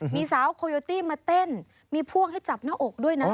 มีสาวโคโยตี้มาเต้นมีพ่วงให้จับหน้าอกด้วยนะ